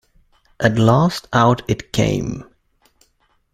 At last out it came.